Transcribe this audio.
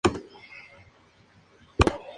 La mayoría de las especies poseen escamas muy grandes.